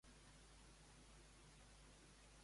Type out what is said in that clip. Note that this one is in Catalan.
Quan va néixer Àngels Chacón?